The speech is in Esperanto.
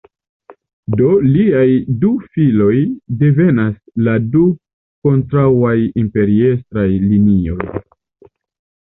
De liaj du filoj devenas la du kontraŭaj imperiestraj linioj.